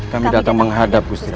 kami datang menghadap kusira